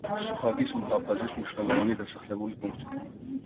სუჰაგის მუჰაფაზის მნიშვნელოვანი დასახლებული პუნქტი.